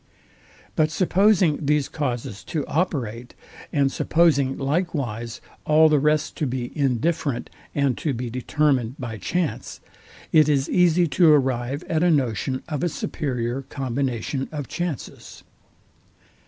But supposing these causes to operate, and supposing likewise all the rest to be indifferent and to be determined by chance, it is easy to arrive at a notion of a superior combination of chances.